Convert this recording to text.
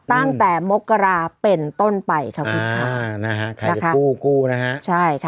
ตั้งแต่มกราเป็นต้นไปค่ะคุณค่ะนะฮะนักกู้กู้นะฮะใช่ค่ะ